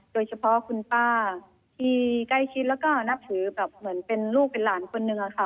โดยเฉพาะคุณป้าที่ใกล้ชิดแล้วก็นับถือแบบเหมือนเป็นลูกเป็นหลานคนนึงค่ะ